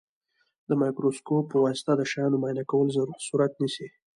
د مایکروسکوپ په واسطه د شیانو معاینه کول صورت نیسي.